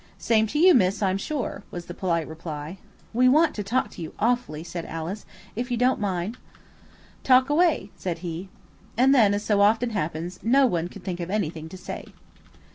"Same to you, miss, I'm sure," was the polite reply. "We want to talk to you awfully," said Alice, "if you don't mind?" "Talk away," said he. And then, as so often happens, no one could think of anything to say.